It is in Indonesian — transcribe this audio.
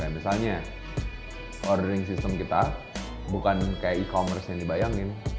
misalnya ordering system kita bukan kayak e commerce yang dibayangin